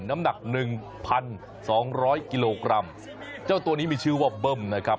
น้ำหนัก๑๒๐๐กิโลกรัมเจ้าตัวนี้มีชื่อว่าเบิ้มนะครับ